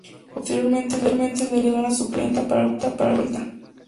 Posteriormente el delantero quedó en la suplencia para el juego de vuelta.